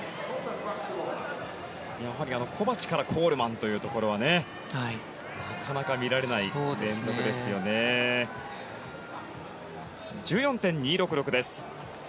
コバチからコールマンというところはなかなか見られない連続ですよね。１４．２６６です。